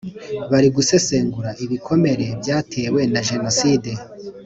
Bari Gusesengura ibikomere byatewe na jenoside.